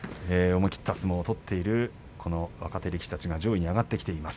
思い切った相撲を取っている若手力士たちが上位に上がってきています。